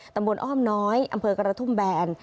อ้อมน้อยอำเภอกระทุ่มแบน